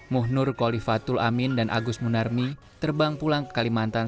muhnur kolifatul amin dan agus munarmi terbang pulang ke kalimantan